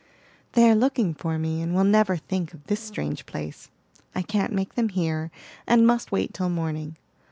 "They are looking for me, and will never think of this strange place. I can't make them hear, and must wait till morning.